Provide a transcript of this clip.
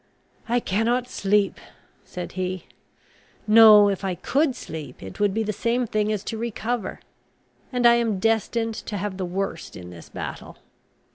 "I cannot sleep," said he. "No, if I could sleep, it would be the same thing as to recover; and I am destined to have the worst in this battle.